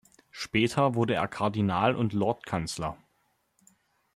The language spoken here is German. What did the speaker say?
Später wurde er Kardinal und Lordkanzler.